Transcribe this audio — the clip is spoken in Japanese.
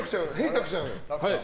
たくちゃん。